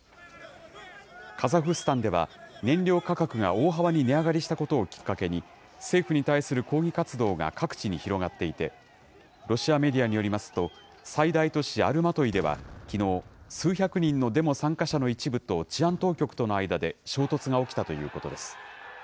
カザフスタンでは、燃料価格が大幅に値上がりしたことをきっかけに、政府に対する抗議活動が各地に広がっていて、ロシアメディアによりますと、最大都市アルマトイでは、きのう、数百人のデモ参加者の一部と治安当局との間で衝突が起きたということです。